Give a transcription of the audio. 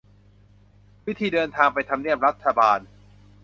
วิธีเดินทางไปทำเนียบรัฐบาล